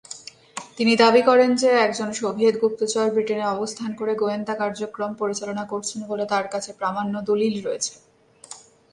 তিনি দাবী করেন যে, একজন সোভিয়েত গুপ্তচর ব্রিটেনে অবস্থান করে গোয়েন্দা কার্যক্রম পরিচালনা করছেন বলে তার কাছে প্রামাণ্য দলিল রয়েছে।